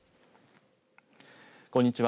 こんにちは。